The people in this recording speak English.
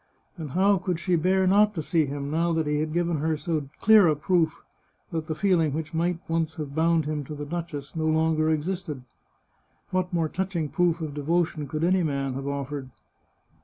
And how could she bear not to see him, now that he had given her so clear a proof that the feeling which might once have bound him to the duchess no longer ex isted? What more touching proof of devotion could any man have offered?